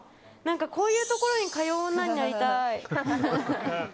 こういうところに通う女になりたい。